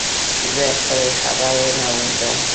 زه خپلي خبري نه اوږدوم